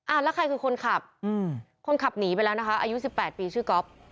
แล้วใครคือคนขับคนขับหนีไปแล้วนะคะอายุสิบแปดปีชื่อก๊อฟ